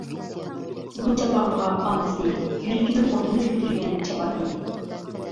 بۇ چاپانغا ئانىسى يۈرىكىنىڭ ئوتىنى كۆيدۈرگەن چاپان ئىدى.